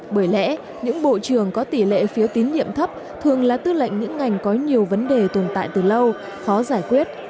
bởi lẽ những bộ trưởng có tỷ lệ phiếu tín nhiệm thấp thường là tư lệnh những ngành có nhiều vấn đề tồn tại từ lâu khó giải quyết